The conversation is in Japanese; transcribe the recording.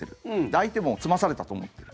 相手も詰まされたと思ってる。